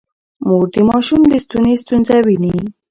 مور د ماشوم د ستوني ستونزه ويني.